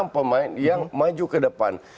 pemain yang maju ke depan